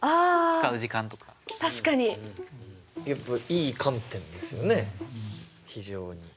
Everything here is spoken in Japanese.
いい観点ですよね非常に。